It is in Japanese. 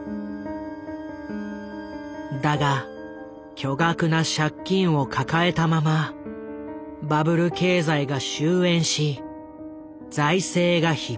だが巨額な借金を抱えたままバブル経済が終焉し財政が逼迫。